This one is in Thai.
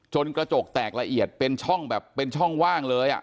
กระจกแตกละเอียดเป็นช่องแบบเป็นช่องว่างเลย